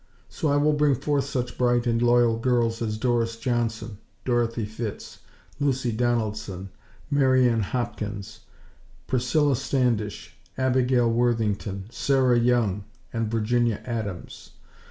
So I will bring forth such bright and loyal girls as Doris Johnson, Dorothy Fitts, Lucy Donaldson, Marian Hopkins, Priscilla Standish, Abigail Worthington, Sarah Young, and Virginia Adams.